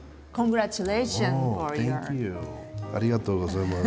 ありがとうございます。